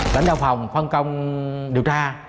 lãnh đạo phòng phân công điều tra